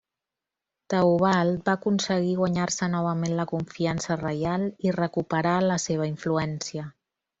Teobald va aconseguir guanyar-se novament la confiança reial i recuperar la seva influència.